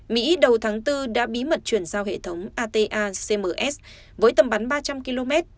mỹ đầu tháng bốn đã bí mật chuyển giao hệ thống ata cms với tầm bắn ba trăm linh km